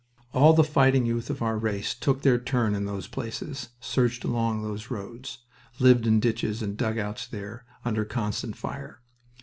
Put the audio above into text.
All the fighting youth of our race took their turn in those places, searched along those roads, lived in ditches and dugouts there, under constant fire.